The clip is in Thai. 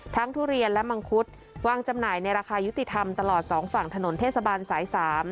ทุเรียนและมังคุดวางจำหน่ายในราคายุติธรรมตลอดสองฝั่งถนนเทศบาลสาย๓